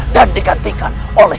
dan digantikan oleh